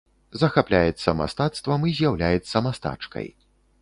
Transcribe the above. Захапляецца мастацтвам і з'яўляецца мастачкай.